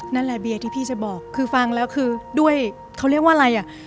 นั่นแหละเบียร์ที่พี่จะบอกคือฟังแล้วคือด้วยเขาเรียกว่าอะไรอ่ะ